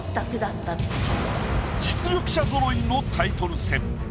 実力者ぞろいのタイトル戦。